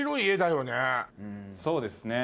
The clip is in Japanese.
そうですね